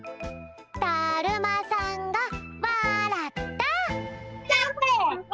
だるまさんがわらった！